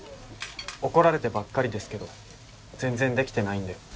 怒られてばっかりですけど全然できてないんで。